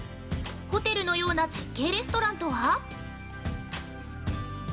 ホテルのような絶景レストランとは！？